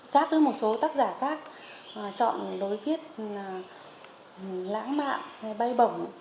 khác với một số tác giả khác chọn lối viết lãng mạn hay bay bổng